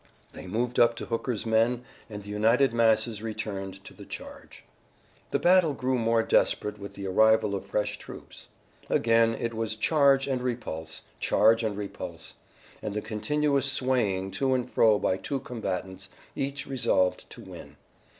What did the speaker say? They moved up to Hooker's men and the united masses returned to the charge. The battle grew more desperate with the arrival of fresh troops. Again it was charge and repulse, charge and repulse, and the continuous swaying to and fro by two combatants, each resolved to win.